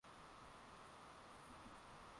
Leo kuna shughuli nyingi sana.